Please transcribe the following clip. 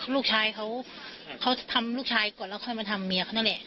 ลูกชายเขาทำลูกชายก่อนแล้วค่อยมาทำเมียเขานั่นแหละ